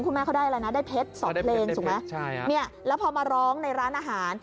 คุณแม่เขาได้อะไรนะได้เพชรสองเพลงถูกไหมใช่ฮะเนี่ยแล้วพอมาร้องในร้านอาหาร